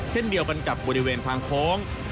เช่นเดียวกันกับบริเวณทางโค้ง